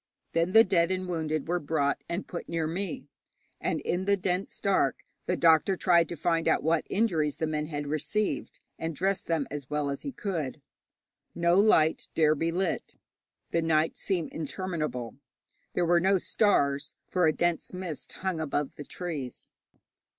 Then the dead and wounded were brought and put near me, and in the dense dark the doctor tried to find out what injuries the men had received, and dress them as well as he could. No light dare be lit. The night seemed interminable. There were no stars, for a dense mist hung above the trees.